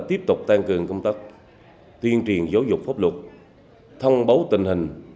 tiếp tục tăng cường công tác tuyên truyền giáo dục pháp luật thông báo tình hình